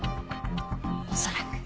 恐らく。